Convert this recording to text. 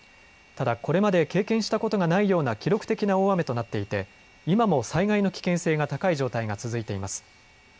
ただ、これまで経験したことがないような記録的な大雨となっていて今も災害の危険性が高い状態が続いています。